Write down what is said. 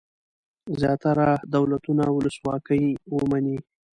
زیاتره دولتونه ولسواکي ومني.